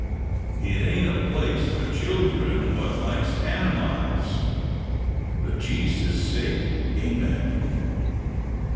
It ain't a place for children what likes animiles. For Jesus' sake, Amen."